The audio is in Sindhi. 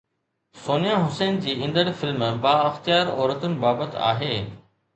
سونيا حسين جي ايندڙ فلم بااختيار عورتن بابت آهي